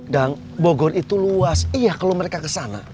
bogor itu luas iya kalau mereka kesana